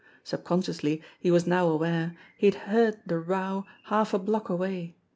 Subconsciously, he was now aware, he had heard the row half a block away.